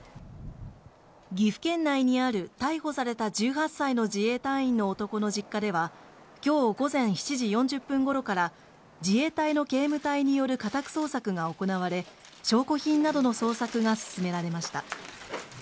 岐阜県内にある、逮捕された１８歳の自衛隊員の男の実家では、きょう午前７時４０分ごろから、自衛隊の警務隊による家宅捜索が行われ、証拠品などの捜索が進められました。